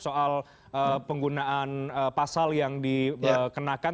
soal penggunaan pasal yang dikenakan